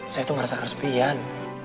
saya tuh ngerasa keresipian